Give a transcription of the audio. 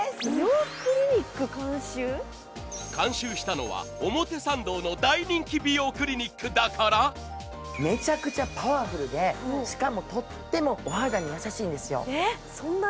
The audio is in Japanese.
監修したのは表参道の大人気美容クリニックだからめちゃくちゃパワフルでしかもとってもお肌に優しいんですよ。